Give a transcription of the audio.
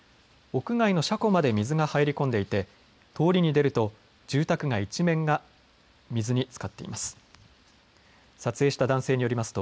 屋外の車庫まで水が入り込んでいて通りに出ると住宅街一面が水につかっています。